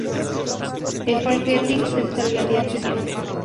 El Folketing se disolvió al día siguiente.